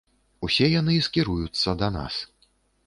Усе яны скіруюцца да нас.